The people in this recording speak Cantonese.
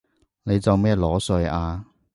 你做乜裸睡啊？